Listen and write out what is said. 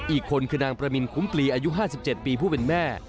อีกคนคือนางประมินคุ้มปลีอายุ๕๗ปีผู้เป็นแม่